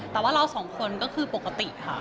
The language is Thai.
แต่ว่าเราสองคนก็คือปกติค่ะ